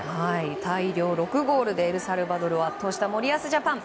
大量６ゴールでエルサルバドルを圧倒した森保ジャパン。